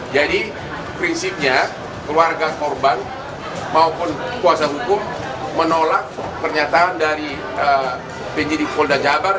jadi prinsipnya keluarga korban maupun kuasa hukum menolak pernyataan dari penyidik polda jabar